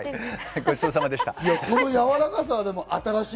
ごちそうさまでした。